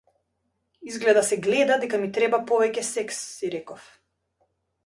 Изгледа се гледа дека ми треба повеќе секс, си реков.